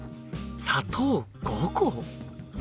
砂糖５個！